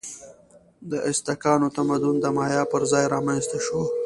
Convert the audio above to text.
د ازتکانو تمدن د مایا پر ځای رامنځته شو.